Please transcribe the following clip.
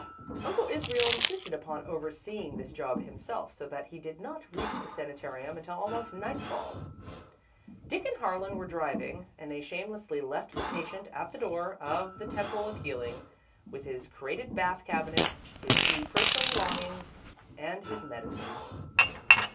Uncle Israel insisted upon overseeing this job himself, so that he did not reach the sanitarium until almost nightfall. Dick and Harlan were driving, and they shamelessly left the patient at the door of the Temple of Healing, with his crated bath cabinet, his few personal belongings, and his medicines.